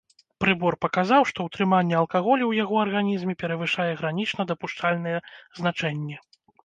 Прыбор паказаў, што ўтрыманне алкаголю ў яго арганізме перавышае гранічна дапушчальныя значэнні.